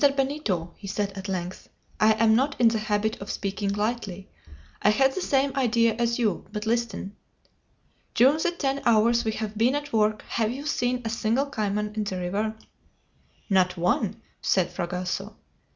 Benito," he said at length, "I am not in the habit of speaking lightly. I had the same idea as you; but listen. During the ten hours we have been at work have you seen a single cayman in the river?" "Not one," said Fragoso.